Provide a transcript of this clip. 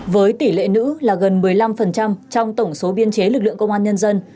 với tỷ lệ nữ là gần một mươi năm trong tổng số biên chế lực lượng công an nhân dân